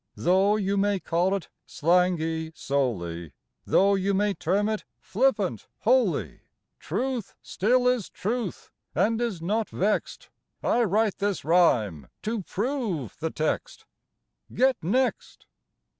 Though you may call it slangy solely, Though you may term it flippant wholly, Truth still is truth and is not vexed; I write this rhyme to prove the text Get Next.